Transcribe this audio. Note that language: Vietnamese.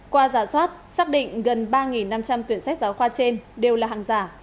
qua giả soát xác định gần ba năm trăm linh quyển sách giáo khoa trên đều là hàng giả